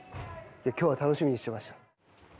きょうは楽しみにしていました。